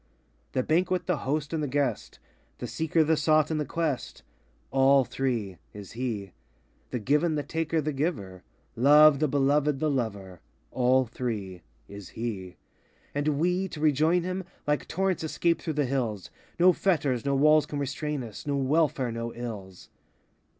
The banquet, the host, and the guest,— The seeker, the sought, and the quest,— All three, Is he. The given, the taker, the giver,— Love, the beloved, the lover,— All three, Is he. And we, to rejoin him, like torrents, escape through the hills; No fetters, no walls can restrain us, no welfare, no ills.